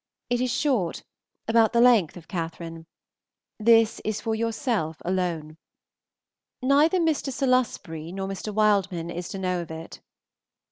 It is short, about the length of "Catherine." This is for yourself alone. Neither Mr. Salusbury nor Mr. Wildman is to know of it.